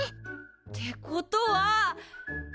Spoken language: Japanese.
ってことは！